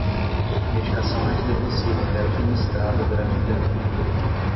Medicação antidepressiva foi administrada durante a terapia